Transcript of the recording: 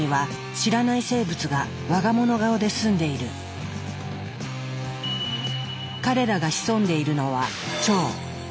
彼らが潜んでいるのは「腸」。